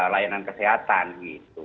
layanan kesehatan gitu